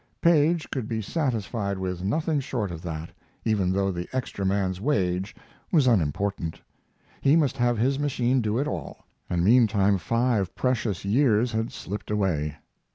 Paige could be satisfied with nothing short of that, even though the extra man's wage was unimportant. He must have his machine do it all, and meantime five precious years had slipped away.